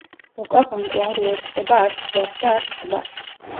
ოკავანგო არ უერთდება არც ზღვას და არც ტბას.